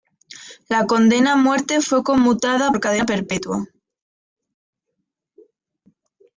La condena a muerte fue conmutada por cadena perpetua.